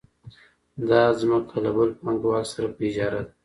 دا ځمکه له بل پانګوال سره په اجاره ده